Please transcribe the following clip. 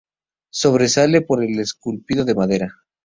Sobresale por el esculpido de madera.